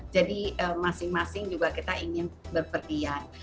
jadi masing masing juga kita ingin berpergian